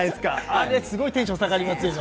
あれでテンション下がりますね。